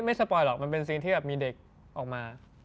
สปอยหรอกมันเป็นซีนที่แบบมีเด็กออกมา